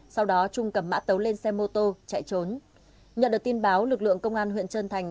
sau đó trung cầm mã tấu lên xe mô tô chạy trốn nhận được tin báo lực lượng công an huyện trân thành